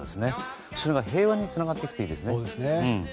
それが平和につながっていくといいですね。